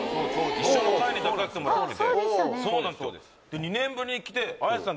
一緒の回に出させてもらって。